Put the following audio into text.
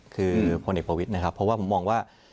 คือพลเอกประวิทย์นะครับเพราะว่าผมมองว่า